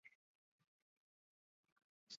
该提案被转送中央机构编制委员会。